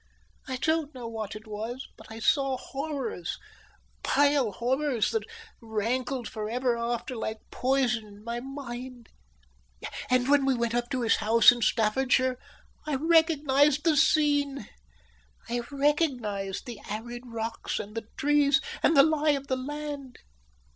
I don't know what it was, but I saw horrors, vile horrors, that rankled for ever after like poison in my mind; and when we went up to his house in Staffordshire, I recognized the scene; I recognized the arid rocks, and the trees, and the lie of the land.